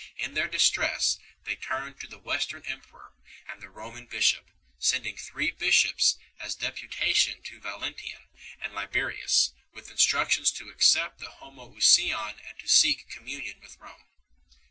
In their distress they turned to the Western emporor and the Roman bishop, sending three bishops as a deputation to Valentin ian and Liberius, with instructions to accept the Homoousion and to seek communion with Rome.